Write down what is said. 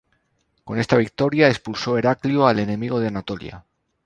Con esta victoria expulsó Heraclio al enemigo de Anatolia.